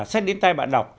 xét đến tay bạn đọc